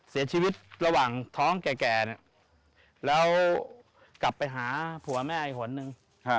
เสียชีวิตระหว่างท้องแก่แล้วกลับไปหาผัวแม่อีกคนนึง